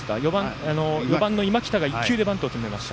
４番の今北が１球でバント決めました。